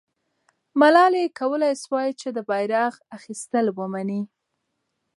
ملالۍ کولای سوای چې د بیرغ اخیستل ومني.